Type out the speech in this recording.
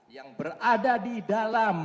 yang berada di dalam